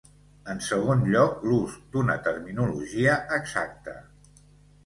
En segon lloc, l'ús d'una terminologia exacta.